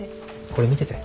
これ見てて。